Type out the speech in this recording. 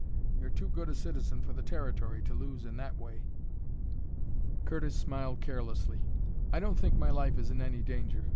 You're too good a citizen for the Territory to lose in that way." Curtis smiled carelessly. "I don't think my life is in any danger.